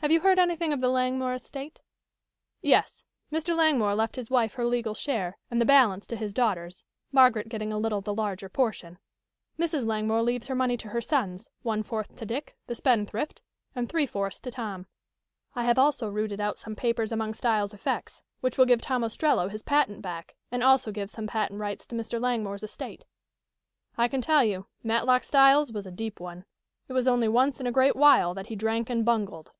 "Have you heard anything of the Langmore estate?" "Yes. Mr. Langmore left his wife her legal share, and the balance to his daughters, Margaret getting a little the larger portion. Mrs. Langmore leaves her money to her sons, one fourth to Dick, the spendthrift, and three fourths to Tom. I have also rooted out some papers among Styles' effects, which will give Tom Ostrello his patent back, and also give some patent rights to Mr. Langmore's estate. I can tell you, Matlock Styles was a deep one. It was only once in a great while that he drank and bungled."